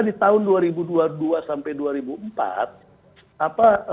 di tahun dua ribu dua puluh dua sampai dua ribu empat